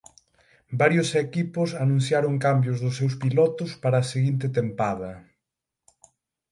Varios equipos anunciaron cambios dos seus pilotos para a seguinte tempada.